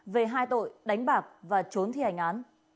về hai tội đánh bạc và trốn thì hình án